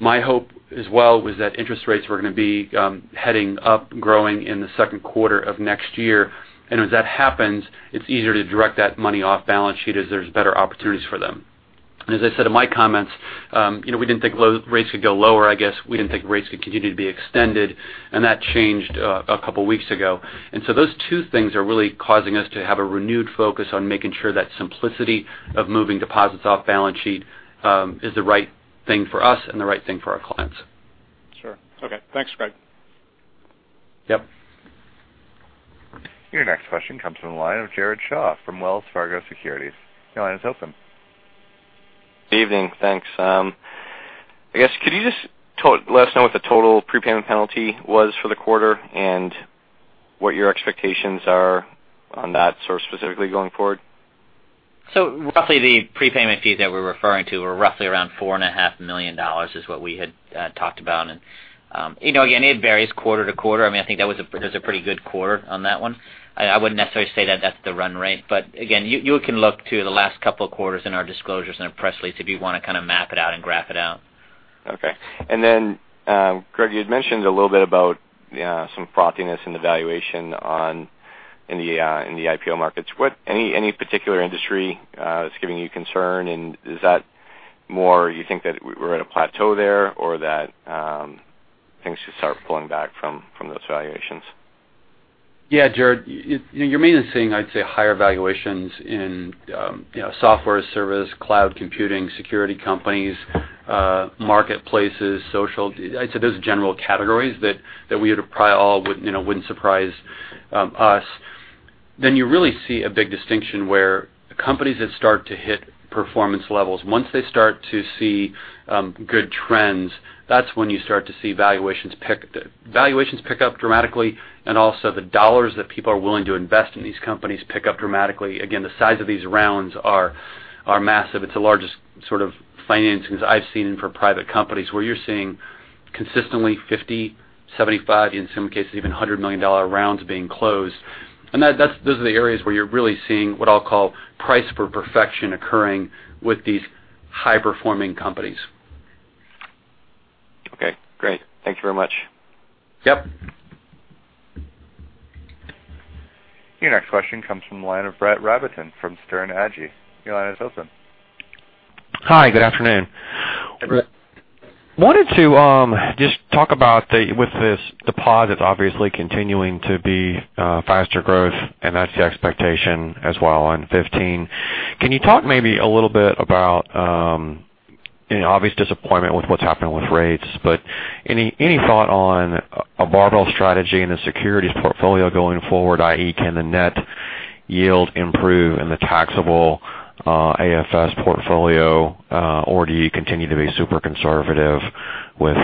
Speaker 3: my hope as well was that interest rates were going to be heading up, growing in the second quarter of next year. As that happens, it's easier to direct that money off balance sheet as there's better opportunities for them. As I said in my comments, we didn't think rates could go lower. I guess we didn't think rates could continue to be extended, that changed a couple of weeks ago. Those two things are really causing us to have a renewed focus on making sure that simplicity of moving deposits off balance sheet is the right thing for us and the right thing for our clients.
Speaker 9: Sure. Okay. Thanks, Greg.
Speaker 3: Yep.
Speaker 1: Your next question comes from the line of Jared Shaw from Wells Fargo Securities. Your line is open.
Speaker 10: Good evening. Thanks. I guess, could you just let us know what the total prepayment penalty was for the quarter and what your expectations are on that sort of specifically going forward?
Speaker 4: Roughly the prepayment fees that we're referring to were roughly around $4.5 million is what we had talked about. Again, it varies quarter-to-quarter. I think that was a pretty good quarter on that one. I wouldn't necessarily say that that's the run rate, but again, you can look to the last couple of quarters in our disclosures and our press release if you want to kind of map it out and graph it out.
Speaker 10: Okay. Then, Greg, you had mentioned a little bit about some frothiness in the valuation in the IPO markets. Any particular industry that's giving you concern, and is that more you think that we're at a plateau there or that things should start pulling back from those valuations?
Speaker 3: Yeah, Jared, you're mainly seeing, I'd say, higher valuations in software as a service, cloud computing, security companies, marketplaces, social. I'd say those are general categories that wouldn't surprise us. You really see a big distinction where companies that start to hit performance levels. Once they start to see good trends, that's when you start to see valuations pick up dramatically, and also the dollars that people are willing to invest in these companies pick up dramatically. Again, the size of these rounds are massive. It's the largest sort of financings I've seen for private companies where you're seeing consistently $50 million, $75 million, in some cases even $100 million rounds being closed. Those are the areas where you're really seeing what I'll call price for perfection occurring with these high-performing companies.
Speaker 10: Okay, great. Thank you very much.
Speaker 3: Yep.
Speaker 1: Your next question comes from the line of Brett Rabatin from Sterne Agee. Your line is open.
Speaker 11: Hi, good afternoon. Hey, Brett. Wanted to just talk about with this deposit obviously continuing to be faster growth, and that's the expectation as well on 2015. Can you talk maybe a little bit about obvious disappointment with what's happening with rates, but any thought on a barbell strategy in the securities portfolio going forward? I.e., can the net yield improve in the taxable AFS portfolio, or do you continue to be super conservative with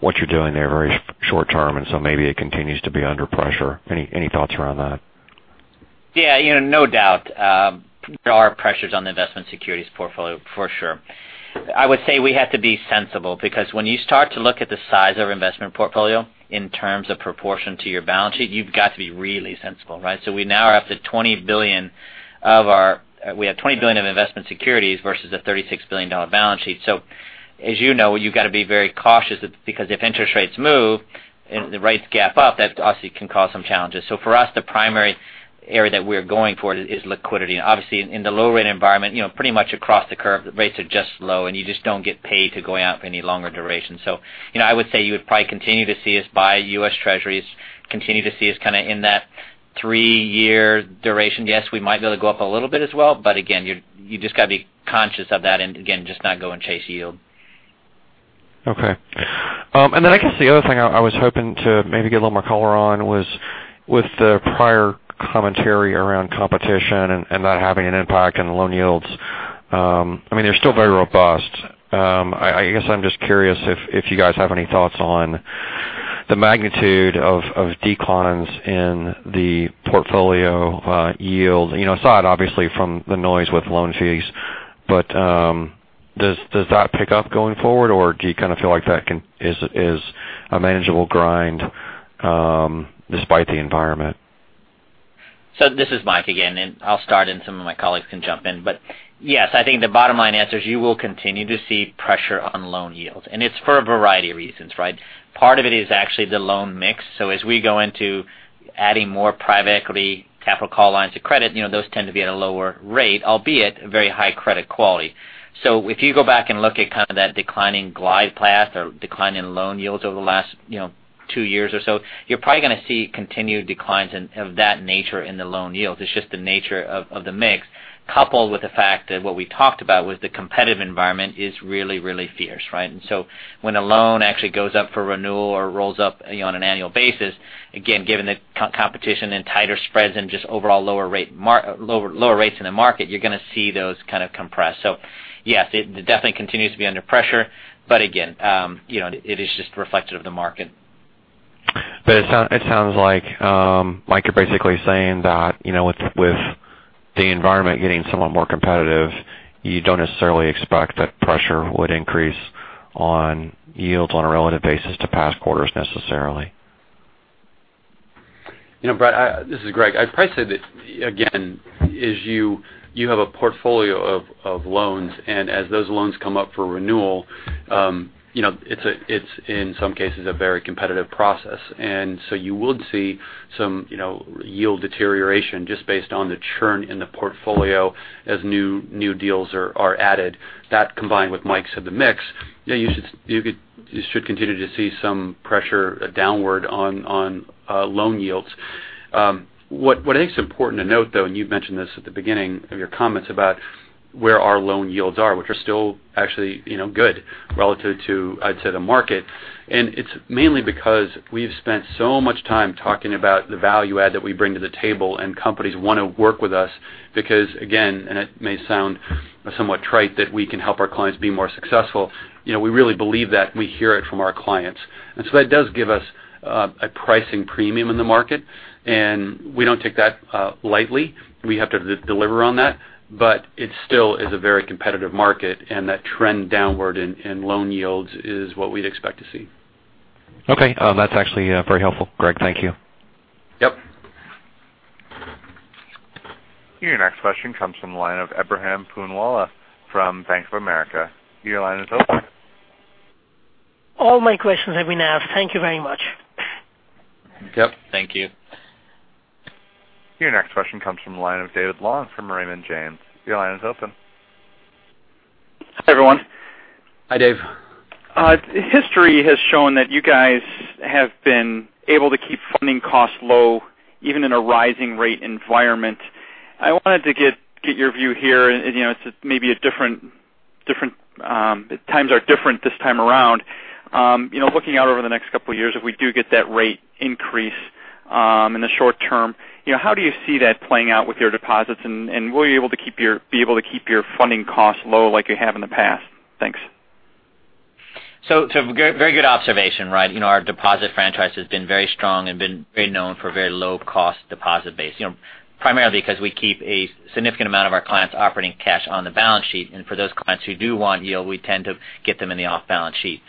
Speaker 11: what you're doing there very short term, and so maybe it continues to be under pressure? Any thoughts around that?
Speaker 4: Yeah. No doubt. There are pressures on the investment securities portfolio for sure. I would say we have to be sensible because when you start to look at the size of investment portfolio in terms of proportion to your balance sheet, you've got to be really sensible, right? We now are up to $20 billion. We have $20 billion of investment securities versus a $36 billion balance sheet. As you know, you've got to be very cautious because if interest rates move and the rates gap up, that obviously can cause some challenges. For us, the primary area that we're going for is liquidity. Obviously, in the low rate environment pretty much across the curve, the rates are just low, and you just don't get paid to go out for any longer duration. I would say you would probably continue to see us buy US Treasuries, continue to see us kind of in that three-year duration. Yes, we might be able to go up a little bit as well, but again, you just got to be conscious of that and again, just not go and chase yield.
Speaker 11: Okay. I guess the other thing I was hoping to maybe get a little more color on was with the prior commentary around competition and that having an impact on the loan yields. I mean, they're still very robust. I guess I'm just curious if you guys have any thoughts on the magnitude of declines in the portfolio yield, aside obviously from the noise with loan fees. Does that pick up going forward, or do you kind of feel like that is a manageable grind despite the environment?
Speaker 4: This is Mike Descheneaux again, and I'll start and some of my colleagues can jump in. Yes, I think the bottom line answer is you will continue to see pressure on loan yields, and it's for a variety of reasons, right? Part of it is actually the loan mix. As we go into adding more private equity capital call lines of credit, those tend to be at a lower rate, albeit very high credit quality. If you go back and look at kind of that declining glide path or declining loan yields over the last two years or so, you're probably going to see continued declines of that nature in the loan yields. It's just the nature of the mix, coupled with the fact that what we talked about was the competitive environment is really, really fierce. When a loan actually goes up for renewal or rolls up on an annual basis, again, given the competition and tighter spreads and just overall lower rates in the market, you're going to see those kind of compress. Yes, it definitely continues to be under pressure, but again, it is just reflective of the market.
Speaker 11: It sounds like, Mike Descheneaux, you're basically saying that with the environment getting somewhat more competitive, you don't necessarily expect that pressure would increase on yields on a relative basis to past quarters necessarily.
Speaker 3: Brett, this is Greg. I'd probably say that, again, is you have a portfolio of loans, and as those loans come up for renewal, it's in some cases a very competitive process. So you would see some yield deterioration just based on the churn in the portfolio as new deals are added. That combined with Mike said the mix, you should continue to see some pressure downward on loan yields. What I think is important to note, though, and you've mentioned this at the beginning of your comments about where our loan yields are, which are still actually good relative to, I'd say the market. It's mainly because we've spent so much time talking about the value add that we bring to the table and companies want to work with us because again, and it may sound somewhat trite that we can help our clients be more successful. We really believe that, we hear it from our clients. So that does give us a pricing premium in the market, and we don't take that lightly. We have to deliver on that. It still is a very competitive market, and that trend downward in loan yields is what we'd expect to see.
Speaker 11: Okay. That's actually very helpful, Greg. Thank you.
Speaker 3: Yep.
Speaker 1: Your next question comes from the line of Ebrahim Poonawala from Bank of America. Your line is open.
Speaker 12: All my questions have been asked. Thank you very much.
Speaker 3: Yep. Thank you.
Speaker 1: Your next question comes from the line of David Long from Raymond James. Your line is open.
Speaker 13: Hi, everyone.
Speaker 3: Hi, Dave.
Speaker 13: History has shown that you guys have been able to keep funding costs low, even in a rising rate environment. I wanted to get your view here. Maybe times are different this time around. Looking out over the next couple of years, if we do get that rate increase in the short term, how do you see that playing out with your deposits, and will you be able to keep your funding costs low like you have in the past? Thanks.
Speaker 4: Very good observation. Our deposit franchise has been very strong and been very known for very low cost deposit base. Primarily because we keep a significant amount of our clients' operating cash on the balance sheet, and for those clients who do want yield, we tend to get them in the off-balance sheet.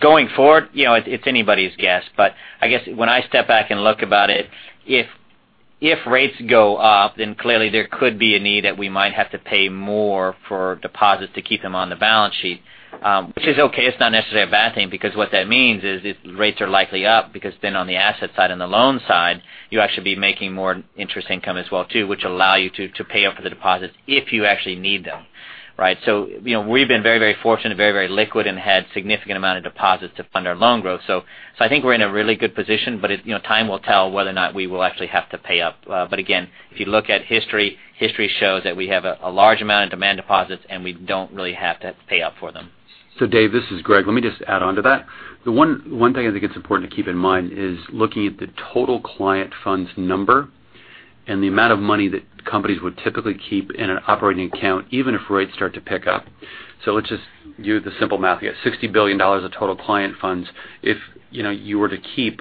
Speaker 4: Going forward, it's anybody's guess, but I guess when I step back and look about it, if rates go up, then clearly there could be a need that we might have to pay more for deposits to keep them on the balance sheet, which is okay. It's not necessarily a bad thing because what that means is if rates are likely up because then on the asset side and the loan side, you actually be making more interest income as well too, which allow you to pay up for the deposits if you actually need them. We've been very fortunate, very liquid and had significant amount of deposits to fund our loan growth. I think we're in a really good position, but time will tell whether or not we will actually have to pay up. Again, if you look at history shows that we have a large amount of demand deposits and we don't really have to pay up for them.
Speaker 3: David, this is Greg. Let me just add onto that. The one thing I think it's important to keep in mind is looking at the total client funds number and the amount of money that companies would typically keep in an operating account even if rates start to pick up. Let's just do the simple math here. $60 billion of total client funds. If you were to keep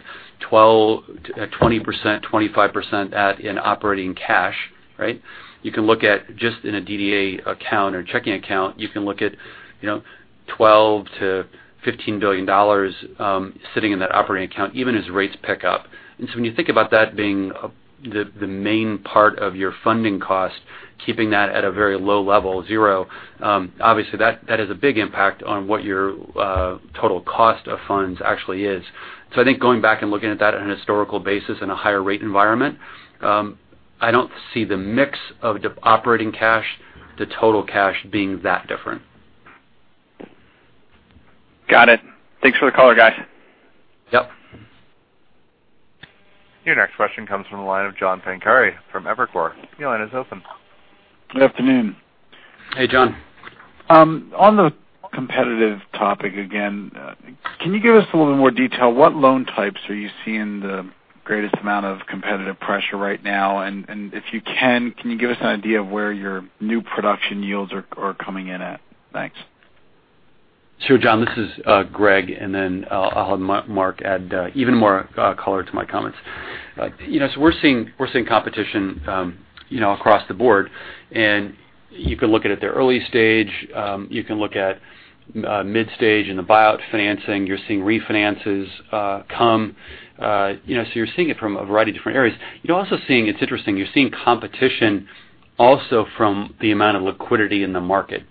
Speaker 3: 20%-25% in operating cash. You can look at just in a DDA account or checking account, you can look at $12 billion-$15 billion sitting in that operating account even as rates pick up. When you think about that being the main part of your funding cost, keeping that at a very low level, zero, obviously that has a big impact on what your total cost of funds actually is. I think going back and looking at that on a historical basis in a higher rate environment, I don't see the mix of the operating cash to total cash being that different.
Speaker 13: Got it. Thanks for the color, guys.
Speaker 3: Yep.
Speaker 1: Your next question comes from the line of John Pancari from Evercore. Your line is open.
Speaker 14: Good afternoon.
Speaker 3: Hey, John.
Speaker 14: On the competitive topic again, can you give us a little bit more detail? What loan types are you seeing the greatest amount of competitive pressure right now? If you can you give us an idea of where your new production yields are coming in at? Thanks.
Speaker 3: Sure, John, this is Greg. I'll have Marc add even more color to my comments. We're seeing competition across the board, and you can look at it at the early stage, you can look at mid-stage in the buyout financing. You're seeing refinances come. You're seeing it from a variety of different areas. You're also seeing, it's interesting, you're seeing competition also from the amount of liquidity in the market.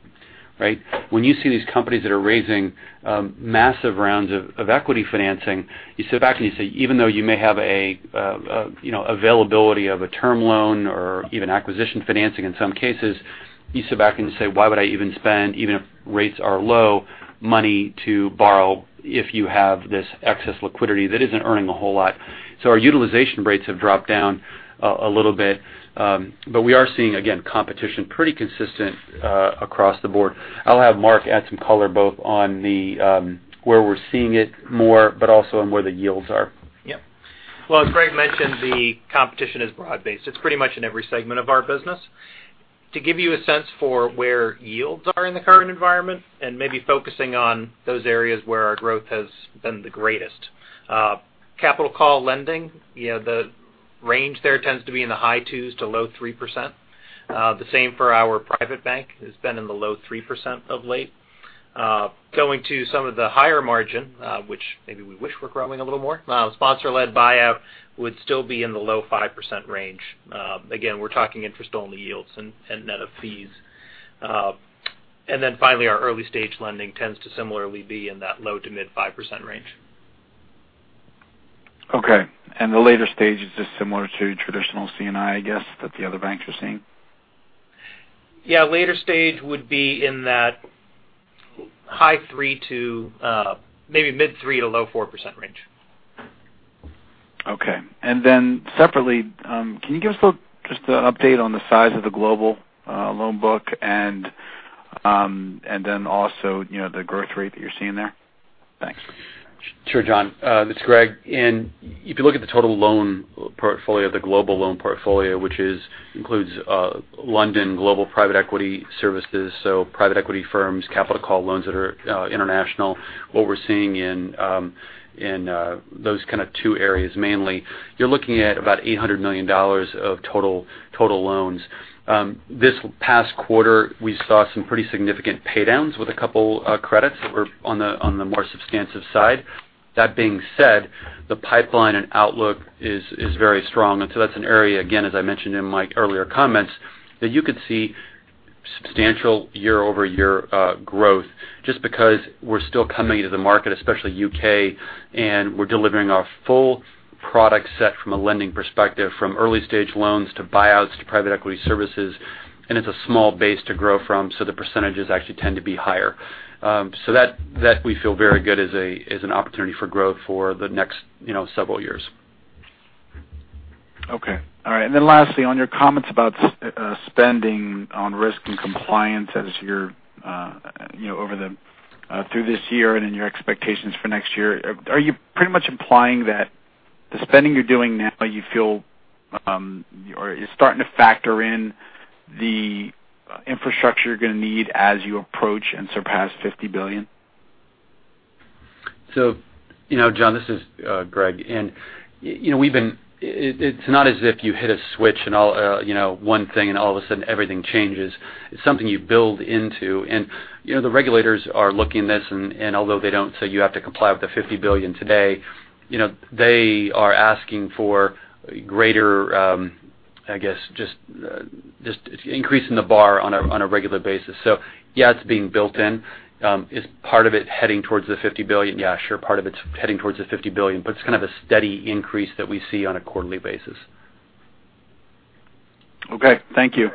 Speaker 3: When you see these companies that are raising massive rounds of equity financing, you step back and you say, even though you may have availability of a term loan or even acquisition financing in some cases You sit back and say, why would I even spend, even if rates are low, money to borrow if you have this excess liquidity that isn't earning a whole lot? Our utilization rates have dropped down a little bit. We are seeing, again, competition pretty consistent across the board. I'll have Marc add some color, both on where we're seeing it more, but also on where the yields are.
Speaker 7: Yep. Well, as Greg mentioned, the competition is broad-based. It's pretty much in every segment of our business. To give you a sense for where yields are in the current environment and maybe focusing on those areas where our growth has been the greatest. Capital call lending, the range there tends to be in the high 2%-low 3%. The same for our private bank. It's been in the low 3% of late. Going to some of the higher margin, which maybe we wish were growing a little more. Sponsor-led buyout would still be in the low 5% range. Again, we're talking interest-only yields and net of fees. Then finally, our early stage lending tends to similarly be in that low-mid 5% range.
Speaker 14: Okay. The later stage is just similar to traditional C&I guess, that the other banks are seeing?
Speaker 7: Yeah, later stage would be in that high 3% to maybe mid 3% to low 4% range.
Speaker 14: Okay. Separately, can you give us just an update on the size of the global loan book and also the growth rate that you're seeing there? Thanks.
Speaker 3: Sure, John. It's Greg. If you look at the total loan portfolio, the global loan portfolio, which includes London Global Private Equity Services, so private equity firms, capital call loans that are international. What we're seeing in those two areas, mainly. You're looking at about $800 million of total loans. This past quarter, we saw some pretty significant paydowns with a couple credits that were on the more substantive side. That being said, the pipeline and outlook is very strong. That's an area, again, as I mentioned in my earlier comments, that you could see substantial year-over-year growth just because we're still coming into the market, especially U.K., and we're delivering our full product set from a lending perspective, from early stage loans to buyouts to private equity services, and it's a small base to grow from, so the percentages actually tend to be higher. That, we feel very good is an opportunity for growth for the next several years.
Speaker 14: Okay. All right. Lastly, on your comments about spending on risk and compliance through this year and in your expectations for next year. Are you pretty much implying that the spending you're doing now, you feel, or you're starting to factor in the infrastructure you're going to need as you approach and surpass $50 billion?
Speaker 3: John, this is Greg. It's not as if you hit a switch and one thing, and all of a sudden everything changes. It's something you build into. The regulators are looking at this, and although they don't say you have to comply with the $50 billion today, they are asking for greater, I guess, just increasing the bar on a regular basis. Yeah, it's being built in. Is part of it heading towards the $50 billion? Yeah, sure. Part of it's heading towards the $50 billion, but it's kind of a steady increase that we see on a quarterly basis.
Speaker 14: Okay. Thank you.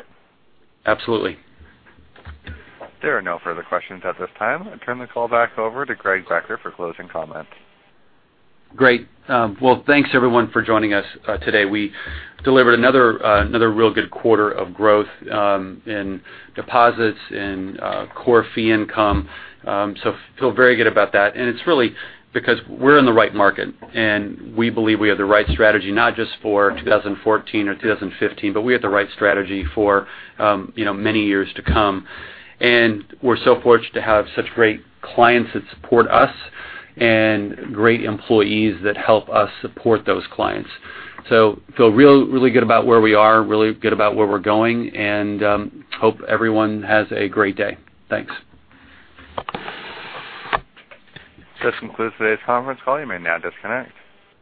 Speaker 3: Absolutely.
Speaker 1: There are no further questions at this time. I turn the call back over to Greg Becker for closing comments.
Speaker 3: Great. Well, thanks everyone for joining us today. We delivered another real good quarter of growth in deposits, in core fee income. Feel very good about that, and it's really because we're in the right market. We believe we have the right strategy, not just for 2014 or 2015, but we have the right strategy for many years to come. We're so fortunate to have such great clients that support us and great employees that help us support those clients. Feel really good about where we are, really good about where we're going, and hope everyone has a great day. Thanks.
Speaker 1: This concludes today's conference call. You may now disconnect.